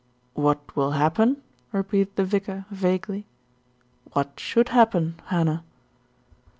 "What will happen?" repeated the vicar vaguely. "What should happen, Hannah?"